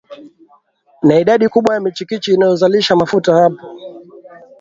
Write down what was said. na idadi kubwa ya michikichi inayozalisha mafuta Hapo